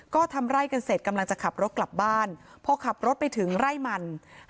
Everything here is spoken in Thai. ก็ทำไร่กันเสร็จกำลังจะขับรถกลับบ้านพอขับรถไปถึงไร่มัน